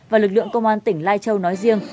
và lực lượng công an tỉnh lai châu nói riêng